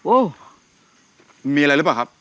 โอ้มีอะไรหรือเปล่าครับ